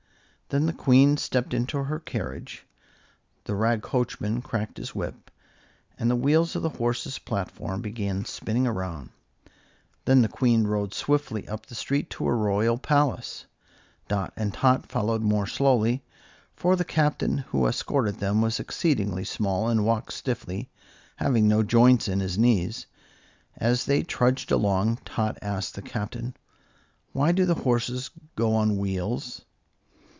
Then the Queen stepped into her carriage, the rag coachman cracked his whip, and the wheels of the horses' platform began spinning around. Then the Queen rode swiftly up the street to her royal palace. Dot and Tot followed more slowly, for the Captain who escorted them was exceedingly small and walked stiffly, having no joints in his knees. As they trudged along Tot asked the Captain: "Why do the horses go on wheels?"